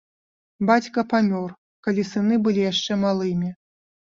Бацька памёр, калі сыны былі яшчэ малымі.